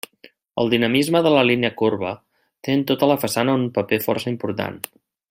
El dinamisme de la línia corba té en tota la façana un paper força important.